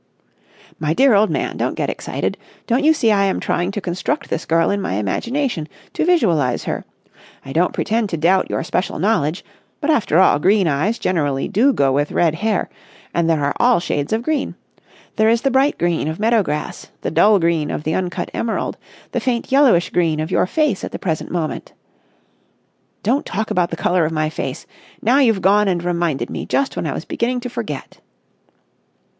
"My dear old man, don't get excited. Don't you see I am trying to construct this girl in my imagination, to visualise her? I don't pretend to doubt your special knowledge, but after all green eyes generally do go with red hair and there are all shades of green. There is the bright green of meadow grass, the dull green of the uncut emerald, the faint yellowish green of your face at the present moment...." "Don't talk about the colour of my face! Now you've gone and reminded me just when I was beginning to forget."